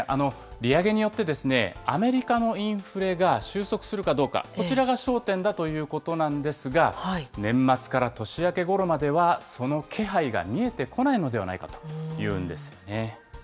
利上げによって、アメリカのインフレが収束するかどうか、こちらが焦点だということなんですが、年末から年明けごろまでは、その気配が見えてこないのではないかというんですね。